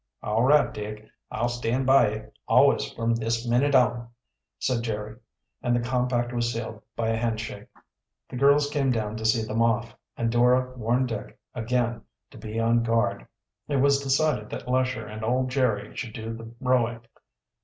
"All right, Dick, I'll stand by ye always from this minit on," said Jerry, and the compact was sealed by a handshake. The girls came down to see them off, and Dora warned Dick again to be on guard. It was decided that Lesher and old Jerry should do the rowing.